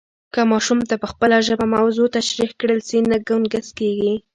که ماشوم ته په خپله ژبه موضوع تشریح کړل سي، نه ګنګس کېږي.